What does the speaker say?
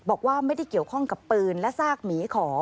บอกว่าไม่ได้เกี่ยวข้องกับปืนและซากหมีขอ